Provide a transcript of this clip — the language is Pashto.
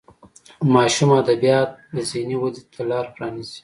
ماشوم ادبیات د ذهني ودې ته لار پرانیزي.